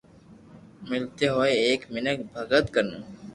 ملتي ھوئي ايڪ مينک ڀگت ڪنو